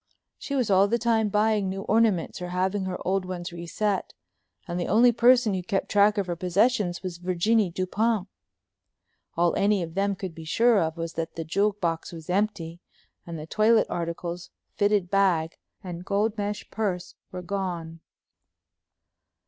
She was all the time buying new ornaments or having her old ones reset and the only person who kept track of her possessions was Virginie Dupont. All any of them could be sure of was that the jewel box was empty, and the toilet articles, fitted bag, and gold mesh purse were gone.